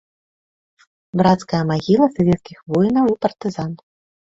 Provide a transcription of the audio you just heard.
Брацкая магіла савецкіх воінаў і партызан.